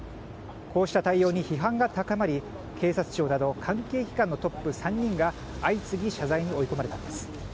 こうした対応に批判が高まり警察庁など関係機関のトップ３人が相次ぎ謝罪に追い込まれました。